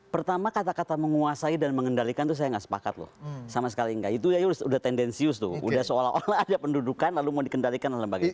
pertama kata kata menguasai dan mengendalikan itu saya nggak sepakat loh sama sekali enggak itu ya udah tendensius tuh udah seolah olah ada pendudukan lalu mau dikendalikan oleh lembaga itu